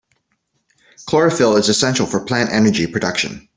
Chlorophyll is essential for plant energy production.